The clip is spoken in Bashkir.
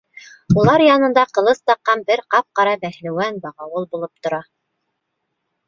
Улар янында ҡылыс таҡҡан бер ҡап-ҡара бәһлеүән бағауыл булып тора.